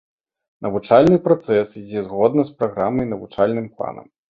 Навучальны працэс ідзе згодна з праграмай і навучальным планам.